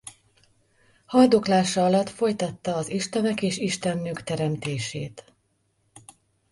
Haldoklása alatt folytatta az istenek és istennők teremtését.